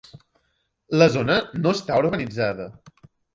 La zona no està urbanitzada.